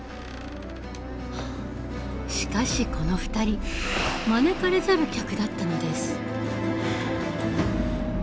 しかしこの２人招かれざる客だったのです。